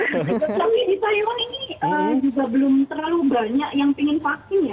tapi di taiwan ini juga belum terlalu banyak yang ingin vaksin ya